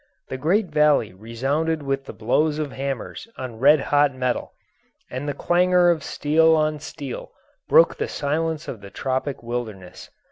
The great valley resounded with the blows of hammers on red hot metal, and the clangour of steel on steel broke the silence of the tropic wilderness.